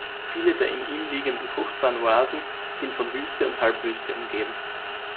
Viele der in ihm liegenden fruchtbaren Oasen sind von Wüste und Halbwüste umgeben.